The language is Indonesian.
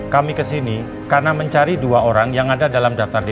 kami ky sini karena mencari dua orang yang ada dalam daftar dpu